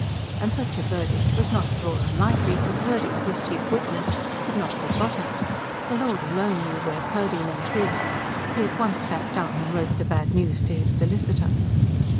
And such a verdict was not at all unlikely; for Purdy, his chief witness, could not be got at: the Lord alone knew where Purdy lay hid. He at once sat down and wrote the bad news to his solicitor.